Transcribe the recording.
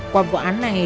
qua vụ án này